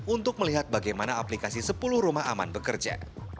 untuk melihat bagaimana aplikasi sepuluh rumah aman bekerja